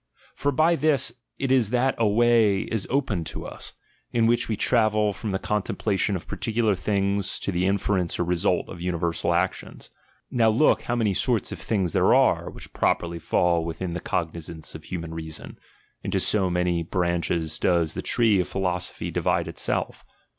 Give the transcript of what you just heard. For by this it is that a way is opened to us, in which we travel from the con templation of particular things to the inference or result of universal actions. Now look, how many sorts of things there are, which properly fall within the cognizance of human reason ; into so many branches does the tree of philosophy divide itself.